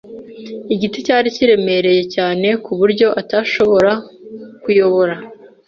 Igiti cyari kiremereye cyane kuburyo atashobora kuyobora.